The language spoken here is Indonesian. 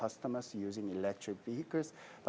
untuk pelanggan menggunakan kereta elektrik